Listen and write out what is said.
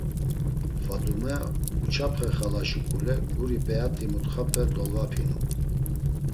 Fadume, Uçapxe xala şuǩule guri p̌eat̆i mutxape dolvapinu.